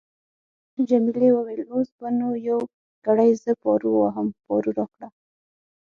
جميلې وويل:: اوس به نو یو ګړی زه پارو وواهم، پارو راکړه.